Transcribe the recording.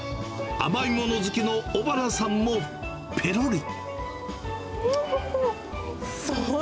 甘いもの好きの尾花さんもぺろり。